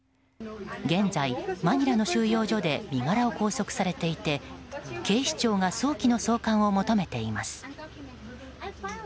現在、マニラの収容所で身柄を拘束されていて警視庁が早期の送還を求めています。